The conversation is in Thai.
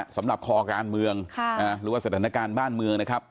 สำหรับคอการเมืองหรือว่าสถานการณ์บ้านเมืองนะครับ